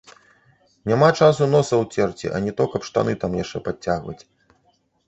Няма часу носа ўцерці, а не то каб штаны там яшчэ падцягваць.